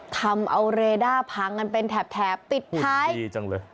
ทำเอาเรด้าพังกันเป็นแถบปิดท้ายดีจังเลย